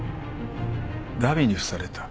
荼毘に付された。